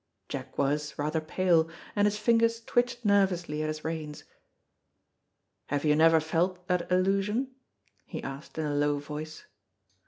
Jack was, rather pale, and his fingers twitched nervously at his reins. "Have you never felt that illusion?" he asked, in a low voice.